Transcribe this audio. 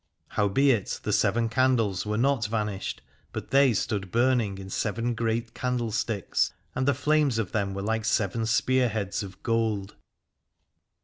Howbeit the seven candles were not vanished, but they stood burning in seven great candlesticks, and the flames of them were like seven spearheads of gold.